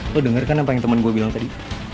lu denger kan apa yang temen gua bilang tadi